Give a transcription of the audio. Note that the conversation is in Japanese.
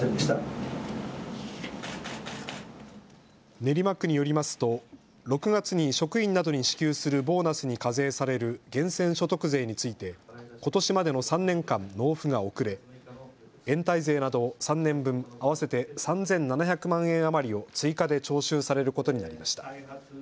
練馬区によりますと６月に職員などに支給するボーナスに課税される源泉所得税についてことしまでの３年間、納付が遅れ延滞税など３年分合わせて３７００万円余りを追加で徴収されることになりました。